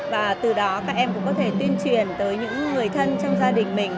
và từ đó các em cũng có thể tuyên truyền tới những người thân trong gia đình mình